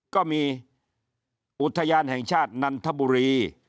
ก็มีอุทยานแห่งชาตินันทบุรี